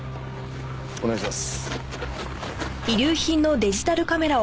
お願いします。